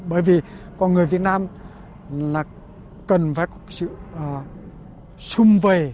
bởi vì con người việt nam là cần phải có sự xung vầy